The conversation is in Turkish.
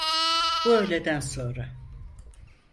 Bu öğleden sonra.